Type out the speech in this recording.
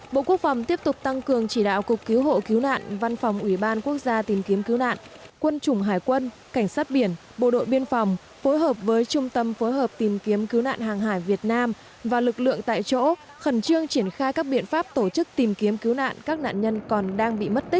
bộ quốc phòng tiếp tục tăng cường chỉ đạo cục cứu hộ cứu nạn văn phòng ủy ban quốc gia tìm kiếm cứu nạn quân chủng hải quân cảnh sát biển bộ đội biên phòng phối hợp với trung tâm phối hợp tìm kiếm cứu nạn hàng hải việt nam và lực lượng tại chỗ khẩn trương triển khai các biện pháp tổ chức tìm kiếm cứu nạn các nạn nhân còn đang bị mất tích